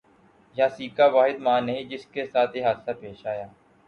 یاسیکا واحد ماں نہیں جس کے ساتھ یہ حادثہ پیش آیا